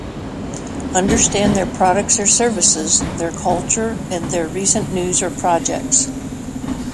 Understand their products or services, their culture, and their recent news or projects.